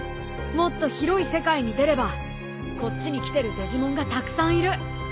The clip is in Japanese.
もっと広い世界に出ればこっちに来てるデジモンがたくさんいる。